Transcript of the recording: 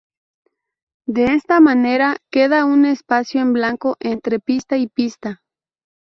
De esta manera, queda un espacio en blanco entre pista y pista.